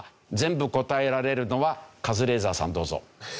全部答えられるのはカズレーザーさんどうぞ。